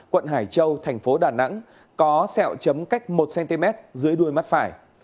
quận hải châu thành phố đà nẵng có xẹo chấm cách một cm dưới đuôi mắt phải